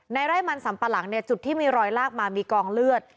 ไร่มันสัมปะหลังเนี่ยจุดที่มีรอยลากมามีกองเลือด